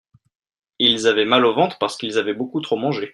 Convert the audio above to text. Ils avaient mal au ventre parce qu'ils avaient beaucoup trop mangé.